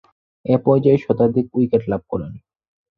এ পর্যায়ে শতাধিক উইকেট লাভ করেন।